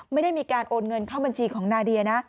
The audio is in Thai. ไม่ได้มีการโอนเงินเข้าบัญชีของนาเดียนะ